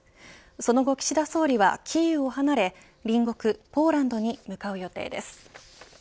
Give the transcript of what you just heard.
その後、岸田総理はキーウを離れ隣国ポーランドに向かう予定です。